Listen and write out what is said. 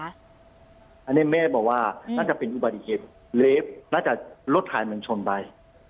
อันนี้แม่บอกว่าน่าจะเป็นอุบัติเหตุเลฟน่าจะรถถ่ายมันชนไป